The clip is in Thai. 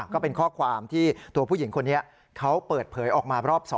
ก็เป็นข้อความที่ตัวผู้หญิงคนนี้เขาเปิดเผยออกมารอบ๒